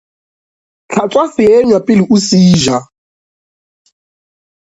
Hlatswa seenywa pele ke se ja.